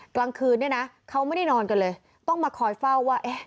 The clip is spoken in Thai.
กลางคืนเนี่ยนะเขาไม่ได้นอนกันเลยต้องมาคอยเฝ้าว่า